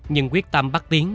nhưng quyết tâm bắt tiến